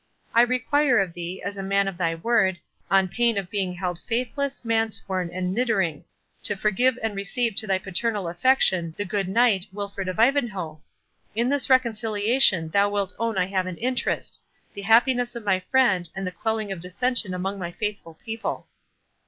I require of thee, as a man of thy word, on pain of being held faithless, man sworn, and 'nidering', 581 to forgive and receive to thy paternal affection the good knight, Wilfred of Ivanhoe. In this reconciliation thou wilt own I have an interest—the happiness of my friend, and the quelling of dissension among my faithful people."